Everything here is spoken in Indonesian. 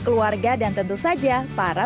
keluarga dan tentu saja para